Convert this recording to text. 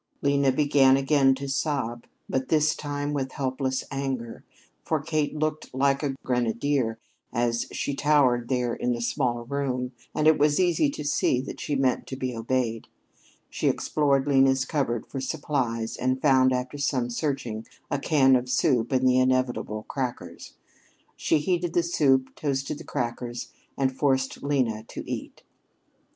Lena began again to sob, but this time with helpless anger, for Kate looked like a grenadier as she towered there in the small room and it was easy to see that she meant to be obeyed. She explored Lena's cupboard for supplies, and found, after some searching, a can of soup and the inevitable crackers. She heated the soup, toasted the crackers, and forced Lena to eat.